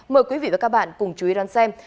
mời quý vị và các bạn cùng chú ý đón xem